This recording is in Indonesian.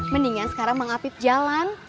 mendingan sekarang mang apip jalan